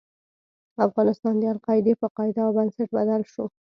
افغانستان د القاعدې په قاعده او بنسټ بدل شو.